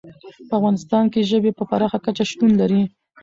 په افغانستان کې ژبې په پراخه کچه شتون لري.